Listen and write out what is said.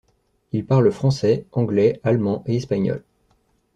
Il parle français, anglais, allemand et espagnol.